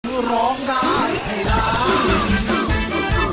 เพื่อร้องได้ให้ร้อง